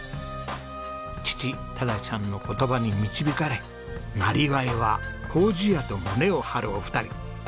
父忠さんの言葉に導かれ「生業は糀屋」と胸を張るお二人。